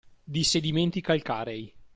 Di sedimenti calcarei;